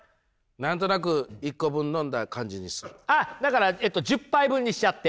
あっだから１０杯分にしちゃって？